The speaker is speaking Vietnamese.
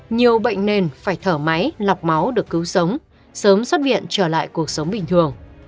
nhiều bệnh nền phải thở máy lọc máu được cứu sống sớm xuất viện trở lại cuộc sống bình thường